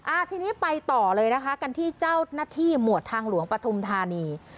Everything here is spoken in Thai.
ทีนี้ไปต่อเลยนะคะกันที่เจ้าหน้าที่หมวดทางหลวงปฐุมธานี